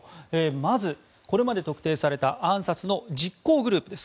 まず、これまで特定された暗殺の実行グループです。